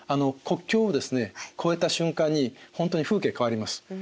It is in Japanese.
国境をですね越えた瞬間に本当に風景変わります。